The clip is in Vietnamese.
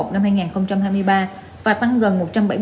năm hai nghìn hai mươi ba và tăng gần